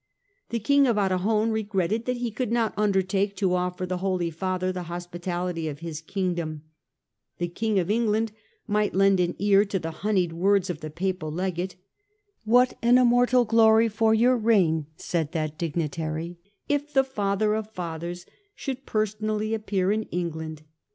The King of Arragon regretted that he could not undertake to offer the Holy Father the hospi tality of his Kingdom. The King of England might lend an ear to the honeyed words of the Papal Legate. " What an immortal glory for your reign," said that dignitary, " if the Father of Fathers should personally appear in England